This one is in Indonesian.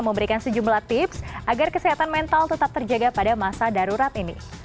memberikan sejumlah tips agar kesehatan mental tetap terjaga pada masa darurat ini